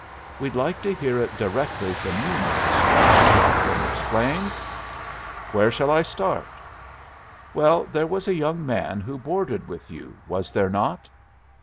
"We'd like to hear it directly from you, Mrs. Sproud," Rocklin explained. "Where shall I start?" "Well, there was a young man who boarded with you, was there not?"